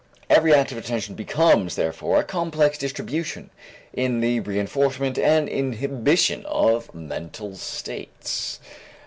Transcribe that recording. Every act of attention becomes, therefore, a complex distribution in the reënforcement and inhibition of mental states.